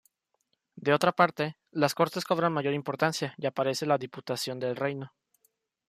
De otra parte, las Cortes cobran mayor importancia y aparece la Diputación del Reino.